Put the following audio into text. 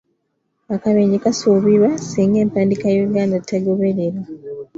Akabenje kasuubirwa singa empandiika y’Oluganda tegobererwa!